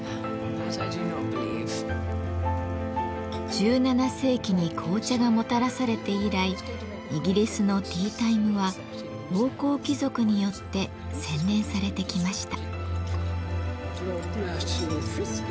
１７世紀に紅茶がもたらされて以来イギリスのティータイムは王侯貴族によって洗練されてきました。